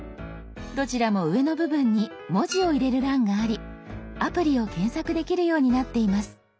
どちらも上の部分に文字を入れる欄がありアプリを検索できるようになっています。